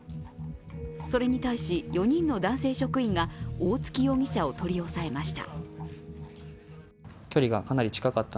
それに対し、４人の男性職員が大槻容疑者を取り押さえました。